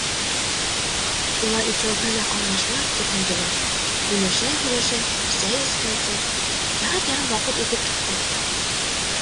Улар икәүһе лә алмашлап көрһөндөләр, һөйләшә-һөйләшә сәй эскәнсе, сәғәт ярым ваҡыт үтеп китте.